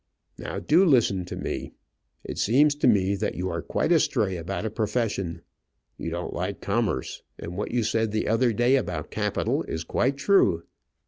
"Now do listen to me. It seems to me that you are quite astray about a profession. You don't like commerce, and what you said the other day about capital is quite true.